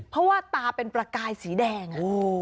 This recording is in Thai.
เพราะว่าตาเป็นประกายสีแดง